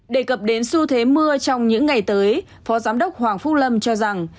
đề cập đến xu thế mưa trong những ngày tới phó giám đốc hoàng phúc lâm cho rằng